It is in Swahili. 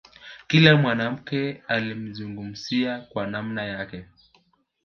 Kila mwanamke alimzungumzia kwa namna yake